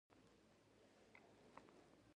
د شخصي ارزښتونو موندلو لپاره له ځان څخه پوښتنې وکړئ.